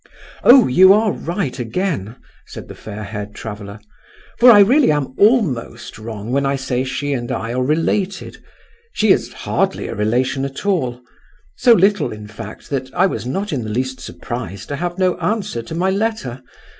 "Oh, you are right again," said the fair haired traveller, "for I really am almost wrong when I say she and I are related. She is hardly a relation at all; so little, in fact, that I was not in the least surprised to have no answer to my letter.